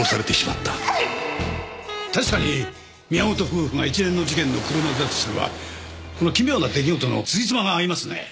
確かに宮本夫婦が一連の事件の黒幕だとすればこの奇妙な出来事のつじつまが合いますね。